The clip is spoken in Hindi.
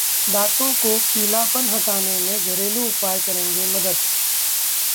दांतों को पीलापन हटाने में घरेलू उपाय करेंगे मदद